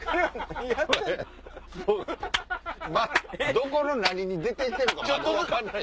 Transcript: どこの何に出て行ってるかがあんま分かんない。